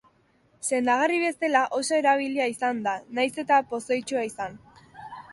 Sendagarri bezala oso erabilia izan da, nahiz eta pozoitsua izan.